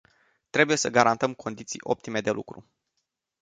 Trebuie să garantăm condiții optime de lucru.